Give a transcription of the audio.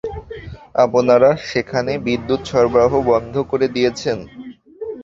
আপনারা সেখানে বিদ্যুৎ সরবরাহ বন্ধ করে দিয়েছেন!